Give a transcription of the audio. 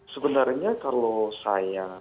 sebenarnya kalau saya